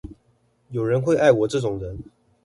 有人會愛我這種人